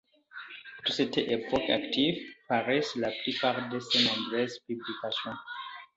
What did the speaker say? De cette époque active paraisse la plupart de ses nombreuses publications.